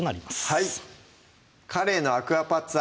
はい「かれいのアクアパッツァ」